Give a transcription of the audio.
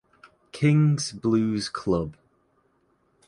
Kings Blues Club.